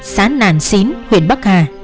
xã nàn xín huyện bắc hà